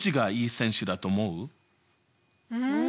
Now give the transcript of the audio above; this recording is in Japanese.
うん。